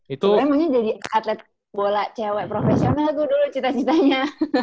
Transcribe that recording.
itu emangnya jadi atlet bola cewek profesional tuh dulu cita citanya